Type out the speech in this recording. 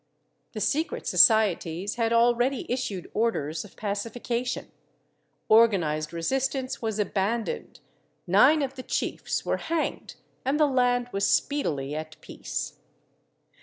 The secret societies had already issued orders of pacification; organized resistance was abandoned, nine of the chiefs were hanged and the laud was speedily at peace.